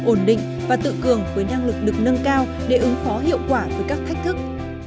ổn định và tự cường với năng lực được nâng cao để ứng phó hiệu quả với các thách thức